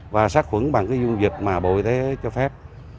và sát khuẩn bằng cái dung dịch mà bội thế cho phép